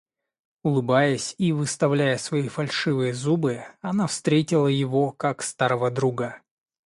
Улыбаясь и выставляя свои фальшивые зубы, она встретила его, как старого друга.